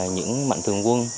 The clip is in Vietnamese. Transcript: những mạnh thường quân